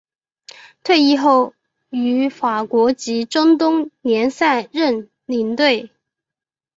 退役后于法国及中东联赛任领队。